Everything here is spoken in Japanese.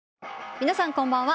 皆さんこんばんは。